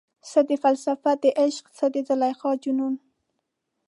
څه ده فلسفه دعشق، څه د زلیخا جنون؟